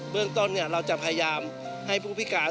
เรื่องต้นเราจะพยายามให้ผู้พิการ